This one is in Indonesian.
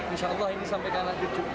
insya allah ini sampai ke anak yujud